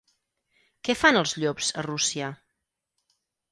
Què fan els llops a Rússia?